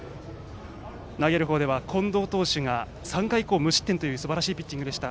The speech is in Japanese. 投げるほうでは近藤投手が３回以降無失点というすばらしいピッチングでした。